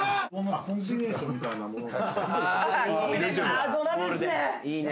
あ土鍋っすね！